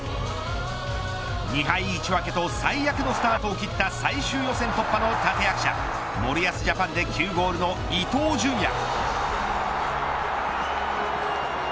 ２敗１分けと最悪のスタートを切った最終予選突破の立て役者森保ジャパンで９ゴールの伊東純也。